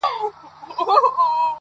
هېره مي يې~